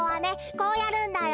こうやるんだよ。